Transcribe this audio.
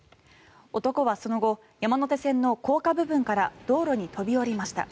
男はその後山手線の高架部分から道路に飛び降りました。